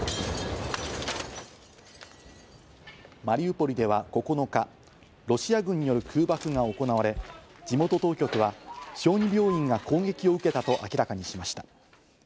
マリウポリでは９日、ロシア軍による空爆が行われ、地元当局は小児病院が攻撃を受けたと明らかにしました。